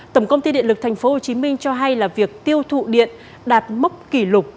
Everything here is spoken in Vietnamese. tổng công ty điện lực tp hcm cho hay là việc tiêu thụ điện đạt mốc kỷ lục